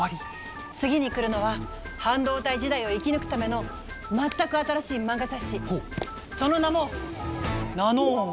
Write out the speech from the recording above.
次に来るのは半導体時代を生き抜くための全く新しい漫画雑誌その名も「ナノーン」！